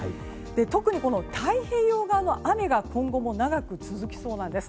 特に太平洋側は、雨が今後も長く続きそうなんです。